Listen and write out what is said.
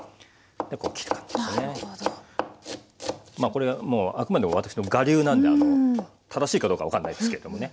これもうあくまでも私の我流なんで正しいかどうか分かんないですけどもね。